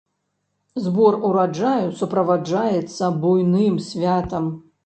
Збор ураджаю суправаджаецца буйным святам.